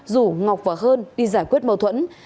rủ ngọc và hơn đi giải quyết mâu thuẫn